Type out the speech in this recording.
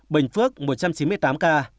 bình phước một trăm chín mươi tám ca